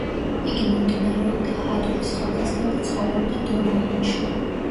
იგი მომდინარეობდა ჰადორის ხალხისგან და ცხოვრობდა დორ-ლომინში.